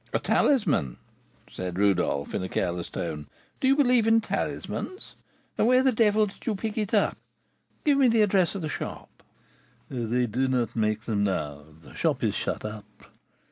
"A talisman!" said Rodolph, in a careless tone; "do you believe in talismans? And where the devil did you pick it up? Give me the address of the shop." "They do not make them now; the shop is shut up.